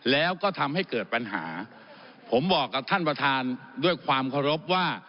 แล้วก็ทำให้เกิดปัญหาผมบอกกับท่านประธานด้วยความเคารพว่า